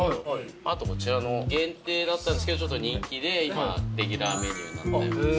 あとこちらの限定だったんですけどちょっと人気で今レギュラーメニューになってます。